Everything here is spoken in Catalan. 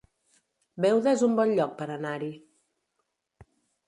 Beuda es un bon lloc per anar-hi